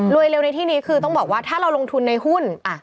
เร็วในที่นี้คือต้องบอกว่าถ้าเราลงทุนในหุ้น